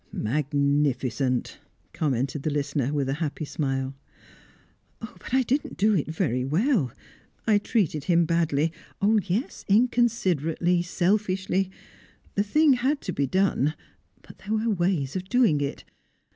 "Magnificent!" commented the listener, with a happy smile. "Ah! but I didn't do it very well. I treated him badly yes, inconsiderately, selfishly. The thing had to be done but there were ways of doing it.